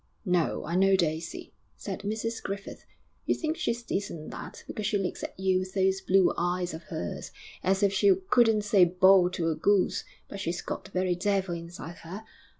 'No, I know Daisy,' said Mrs Griffith; 'you think she's this and that, because she looks at you with those blue eyes of hers, as if she couldn't say bo to a goose, but she's got the very devil inside her....